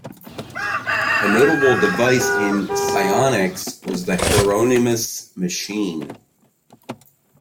A notable device in psionics was the Hieronymus machine.